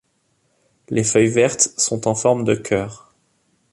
Les feuilles vertes sont en forme de cœur.